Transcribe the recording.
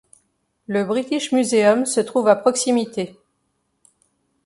Le British Museum se trouve à proximité.